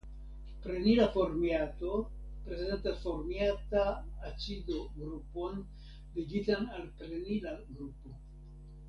Prenila formiato prezentas Formiata acido grupon ligitan al prenila grupo.